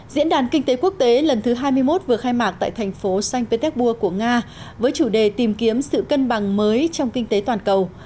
diễn đàn kinh tế quốc tế lần thứ hai mươi một vừa khai mạc tại thành phố saint petersburg của nga với chủ đề tìm kiếm sự cân bằng mới trong kinh tế toàn cầu